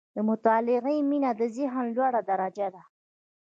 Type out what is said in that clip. • د مطالعې مینه، د ذهن لوړه درجه ده.